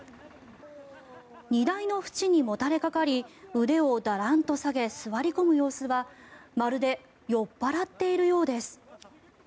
荷台の縁にもたれかかり腕をだらんと下げ座り込む様子はまるで酔っ払っているようです。